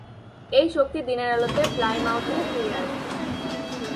এই শক্তি দিনের আলোতে প্লাইমাউথে ফিরে আসবে।